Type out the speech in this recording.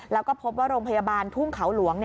แล้วก็พบว่าโรงพยาบาลทุ่งเขาหลวง